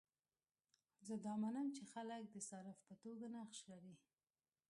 زه دا منم چې خلک د صارف په توګه نقش لري.